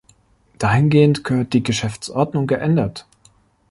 Dahingehend gehört die Geschäftsordnung geändert!